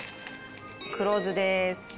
黒酢です。